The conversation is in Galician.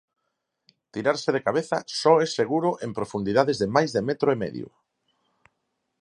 Tirarse de cabeza só é seguro en profundidades de máis de metro e medio.